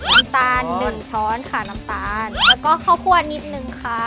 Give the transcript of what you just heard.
น้ำตาลหนึ่งช้อนค่ะน้ำตาลแล้วก็ข้าวคั่วนิดนึงค่ะ